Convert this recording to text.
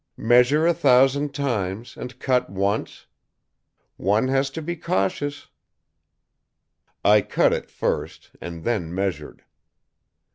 'Measure a thousand times, and cut once?' One has to be cautious!" "I cut it first, and then measured."